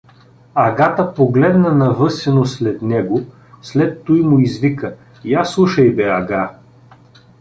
Агата погледна навъсено след него, след туй му извика: — Я слушай бе, ага!